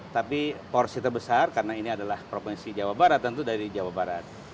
tapi porsi terbesar karena ini adalah provinsi jawa barat tentu dari jawa barat